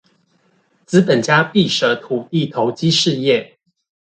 資本家必捨土地投機事業